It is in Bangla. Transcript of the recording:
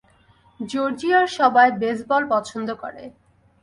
জর্জিয়ার সবাই বেসবল পছন্দ করে।